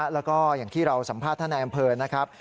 แล้วก็อย่างที่เราสัมภาษณ์ท่านในอำเภอนะครับ